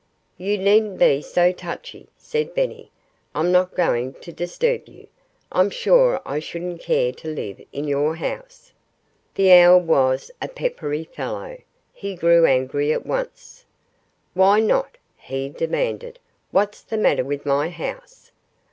"You needn't be so touchy," said Benny. "I'm not going to disturb you. I'm sure I shouldn't care to live in your house." The owl was a peppery fellow. He grew angry at once. "Why not?" he demanded. "What's the matter with my house?"